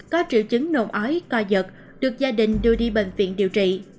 có triệu chứng nồn ói co giật được gia đình đưa đi bệnh viện điều trị